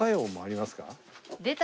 出た！